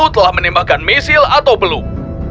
telah menembakkan misil atau belum